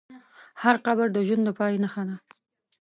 هر قبر د ژوند د پای نښه ده.